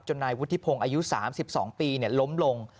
นายวุฒิพงศ์อายุ๓๒ปีล้มลง